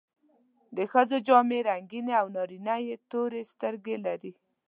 د ښځو جامې رنګینې او نارینه یې تورې سترګې لري.